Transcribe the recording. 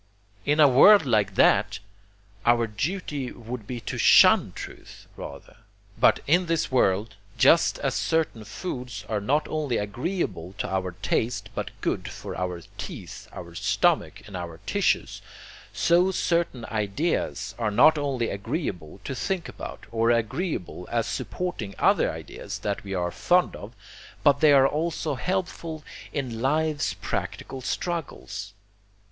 In a world like that, our duty would be to SHUN truth, rather. But in this world, just as certain foods are not only agreeable to our taste, but good for our teeth, our stomach and our tissues; so certain ideas are not only agreeable to think about, or agreeable as supporting other ideas that we are fond of, but they are also helpful in life's practical struggles.